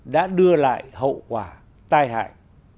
đã đưa lại hậu quả tai hại